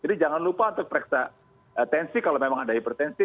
jadi jangan lupa untuk periksa tensi kalau memang ada hipertensi